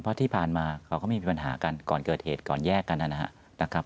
เพราะที่ผ่านมาเขาก็ไม่มีปัญหากันก่อนเกิดเหตุก่อนแยกกันนะครับ